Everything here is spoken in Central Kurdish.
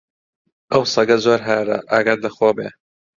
ئەو سەگە زۆر هارە، ئاگات لە خۆ بێ!